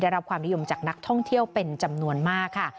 รับความนิยมจากนักท่องเที่ยวเป็นจำนวนมากค่ะ